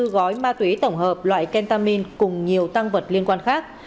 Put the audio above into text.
ba mươi bốn gói ma túy tổng hợp loại kentamin cùng nhiều tăng vật liên quan khác